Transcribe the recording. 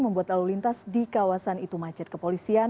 membuat lalu lintas di kawasan itu macet kepolisian